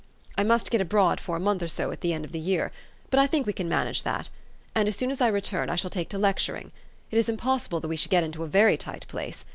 " I must get abroad for a month or so at the end of the year ; but I think we can manage that. And, as soon as I return, I shall take to lecturing. It is impossible that we should get into a very tight place.